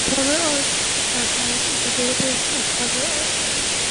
Cover Art Archive is a database of cover art.